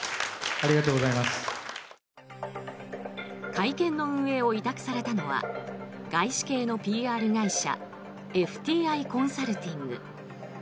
会見の運営を委託されたのは外資系のＰＲ会社ＦＴＩコンサルティング。